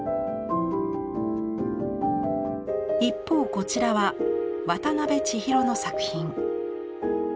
一方こちらは渡辺千尋の作品。